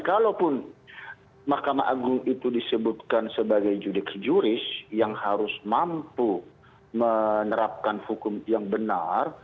kalaupun mahkamah agung itu disebutkan sebagai judik juris yang harus mampu menerapkan hukum yang benar